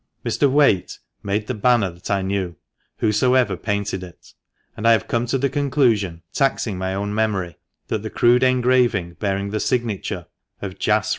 Mr. Whaite made the banner, that I knew, whosoever painted it ; and I have come to the conclusion, taxing my own memory, that the crude engraving bearing the signature of Jas.